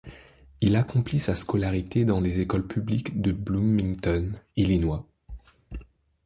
Il accomplit sa scolarité dans les écoles publiques de Bloomington, Illinois.